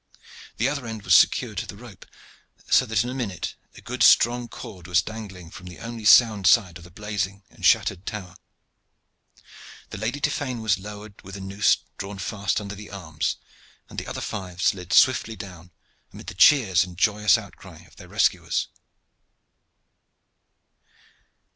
The other end was secured to the rope, so that in a minute a good strong cord was dangling from the only sound side of the blazing and shattered tower. The Lady Tiphaine was lowered with a noose drawn fast under the arms, and the other five slid swiftly down, amid the cheers and joyous outcry of their rescuers.